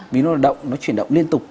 vì nó là động nó chuyển động liên tục